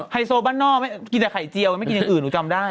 ไฮโซบ้านนอกไม่กินแต่ไข่เจียวไม่กินอย่างอื่นหนูจำได้